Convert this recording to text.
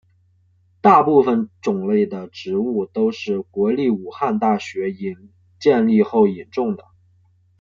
大部分种类的植物都是国立武汉大学建立后引种的。